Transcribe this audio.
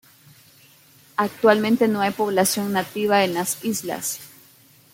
Actualmente no hay población nativa en las islas.